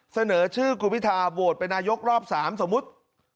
เสนอชื่อคุณพิทาโหวตเป็นนายกรอบ๓สมมุติ